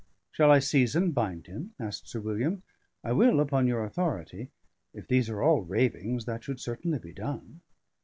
"Shall I seize and bind him?" asked Sir William. "I will upon your authority. If these are all ravings, that should certainly be done."